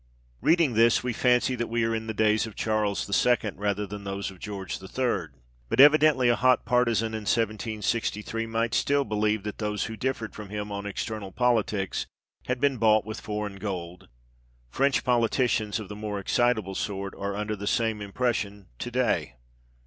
Reading this, we fancy that we are in the days of Charles II. rather than those of George III. But evidently a hot partisan in 1763 might still believe that those who differed from him on external politics had been bought with foreign gold. French politicians of the more excitable sort are under the same impression to day.